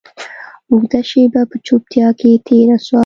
اوږده شېبه په چوپتيا کښې تېره سوه.